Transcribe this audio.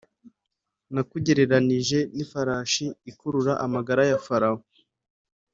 Nakugereranije n’ifarashi ikurura amagare ya Farawo.